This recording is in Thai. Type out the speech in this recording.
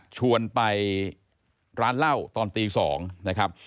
ชวนไปร้านเหล้าตอนตี๒นะครับ